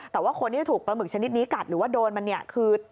แต่ว่าคนที่จะถูกปลาหมึกชนิดนี้กัดหรือว่าโดนมันเนี่ยคือ